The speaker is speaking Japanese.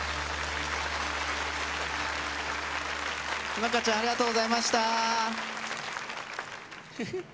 乃々佳ちゃん、ありがとうございました。